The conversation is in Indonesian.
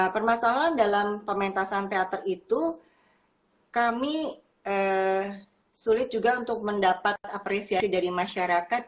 permasalahan dalam pementasan teater itu kami sulit juga untuk mendapat apresiasi dari masyarakat